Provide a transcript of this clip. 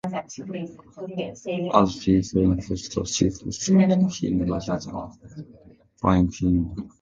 As he taunts Foster, she shoots him rather than burying him.